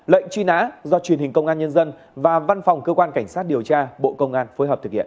lệnh truy nã do truyền hình công an nhân dân và văn phòng cơ quan cảnh sát điều tra bộ công an phối hợp thực hiện